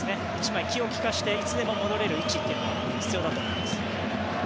１枚気を利かしていつでも戻れる位置は必要だと思います。